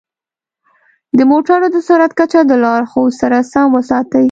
د موټرو د سرعت کچه د لارښود سره سم وساتئ.